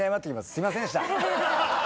すいませんでした。